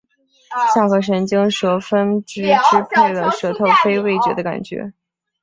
下颌神经舌分支支配了舌头非味觉的感觉